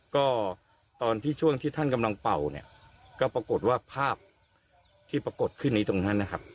ก็ตอนที่ช่วงที่ท่านกำลังเป่าเนี่ยก็ปรากฏว่าภาพที่ปรากฏขึ้นในตรงนั้นนะครับ